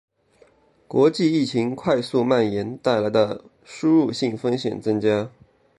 国际疫情快速蔓延带来的输入性风险增加